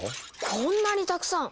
こんなにたくさん！